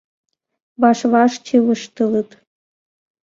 Ваш-ваш чывыштылыт.